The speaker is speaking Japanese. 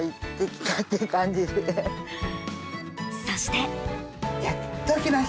そして。